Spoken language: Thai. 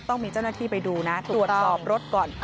ต้องมีเจ้าหน้าที่ไปดูนะตรวจสอบรถก่อน